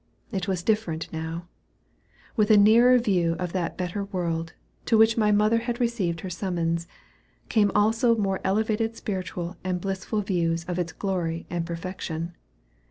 It was different now. With a nearer view of that better world, to which my mother had received her summons, came also more elevated spiritual and blissful views of its glory and perfection.